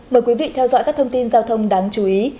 mời quý vị theo dõi các thông tin giao thông đáng chú ý